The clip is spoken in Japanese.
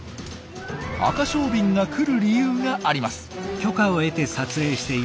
アカショウビンが来る理由があります。